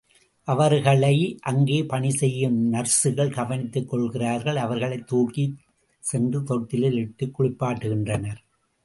அவர்களை அங்கே பணி செய்யும் நர்சுகள் கவனித்துக் கொள்கிறார்கள், அவர்களைத் தூக்கிச் சென்று தொட்டிலில் இட்டுக் குளிப்பாட்டுகின்றனர்.